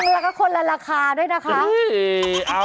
แล้วก็คนละราคาด้วยนะคะ